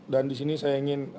dan disini saya ingin